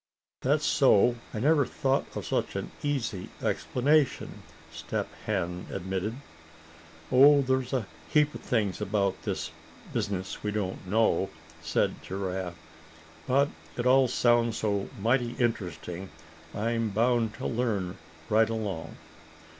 "That's so; I never thought of such an easy explanation," Step Hen admitted. "Oh! there's a heap of things about this business we don't know," said Giraffe; "but it all sounds so mighty interesting I'm bound to learn right along."